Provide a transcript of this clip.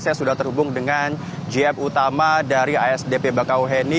saya sudah terhubung dengan gf utama dari asdp bakau heni